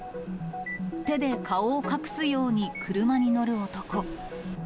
手で顔を隠すように車に乗る男。